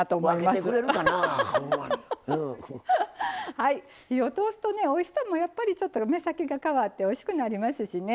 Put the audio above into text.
はい火を通すとねおいしさもやっぱりちょっと目先が変わっておいしくなりますしね。